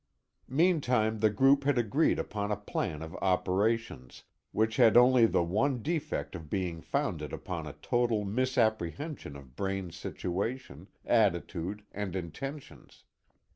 Meantime the group had agreed upon a plan of operations, which had only the one defect of being founded upon a total misapprehension of Braine's situation, attitude and intentions.